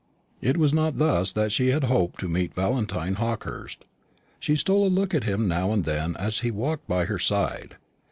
It was not thus that she had hoped to meet Valentine Hawkehurst. She stole a look at him now and then as he walked by her side.